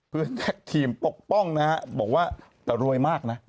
เพื่อแท็กทีมปกป้องนะฮะบอกว่าแต่รวยมากนะ